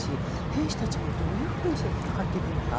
兵士たちも、どういうふうにして戦っていくのか。